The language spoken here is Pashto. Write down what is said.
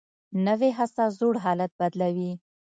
نوې هڅه زوړ حالت بدلوي